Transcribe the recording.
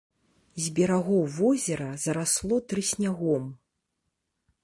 З берагоў возера зарасло трыснягом.